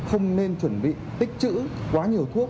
không nên chuẩn bị tích chữ quá nhiều thuốc